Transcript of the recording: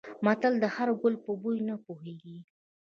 متل: خر د ګل په بوی نه پوهېږي.